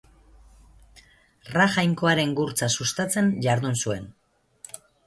Ra jainkoaren gurtza sustatzen jardun zuen.